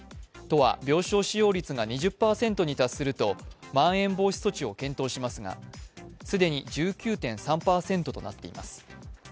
都は病床使用率が２０％に達するとまん延防止措置を検討しますが既に１９．３％となっています。